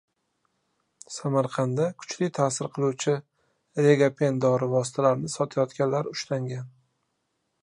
Samarqandda kuchli ta’sir qiluvchi “Regapen” dori vositalarini sotayotganlar ushlangan